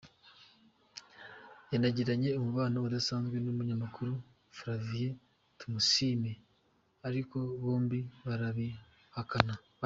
Yanagiranye umubano udasanzwe n’umunyamakuru Flavia Tumusiime ariko bombi barabihakanye.